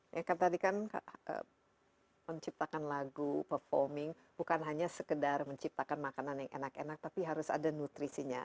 ya kan tadi kan menciptakan lagu performing bukan hanya sekedar menciptakan makanan yang enak enak tapi harus ada nutrisinya